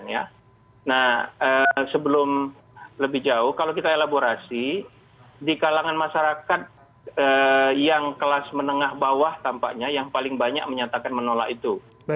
nah sebelum lebih jauh kalau kita elaborasi di kalangan masyarakat yang kelas menengah bawah tampaknya yang paling banyak menyatakan menolak itu